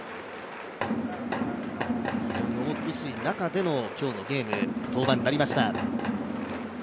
非常に重苦しい中での今日のゲーム、登板になりました。